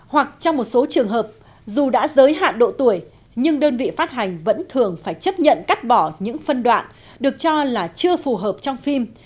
hoặc trong một số trường hợp dù đã giới hạn độ tuổi nhưng đơn vị phát hành vẫn thường phải chấp nhận cắt bỏ những phân đoạn được cho là chưa phù hợp trong phim